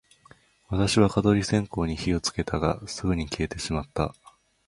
私は蚊取り線香に火をつけたが、すぐに消えてしまった